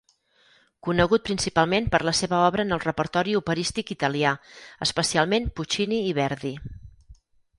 Conegut principalment per la seva obra en el repertori operístic italià, especialment Puccini i Verdi.